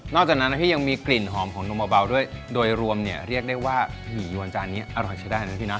จากนั้นนะพี่ยังมีกลิ่นหอมของนมเบาด้วยโดยรวมเนี่ยเรียกได้ว่าผียวนจานนี้อร่อยใช้ได้นะพี่นะ